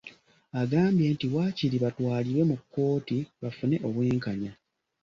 Agambye nti waakiri batwalibwe mu kkooti bafune obwenkanya